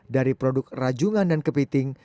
dari produk rajungan dan kepiting